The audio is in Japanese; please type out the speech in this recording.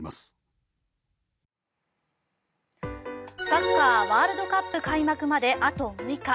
サッカーワールドカップ開幕まであと６日。